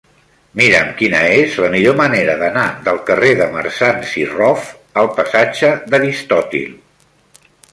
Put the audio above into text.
Mira'm quina és la millor manera d'anar del carrer de Marsans i Rof al passatge d'Aristòtil.